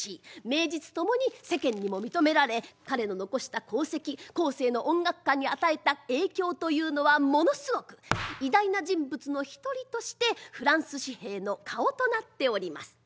名実共に世間にも認められ彼の残した功績後世の音楽家に与えた影響というのはものすごく偉大な人物の一人としてフランス紙幣の顔となっております。